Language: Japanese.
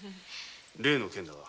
例の件だが？